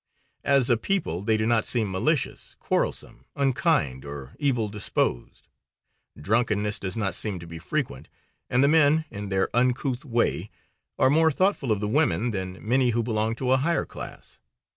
As a people they do not seem malicious, quarrelsome, unkind or evil disposed. Drunkenness does not seem to be frequent, and the men, in their uncouth way, are more thoughtful of the women than many who belong to a higher class.